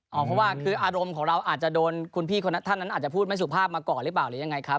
เพราะว่าคืออารมณ์ของเราอาจจะโดนคุณพี่คนนั้นท่านนั้นอาจจะพูดไม่สุภาพมาก่อนหรือเปล่าหรือยังไงครับ